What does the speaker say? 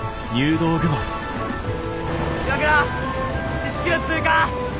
岩倉１キロ通過。